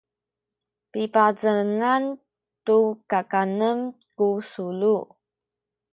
pipazengan tu kakanen ku sulu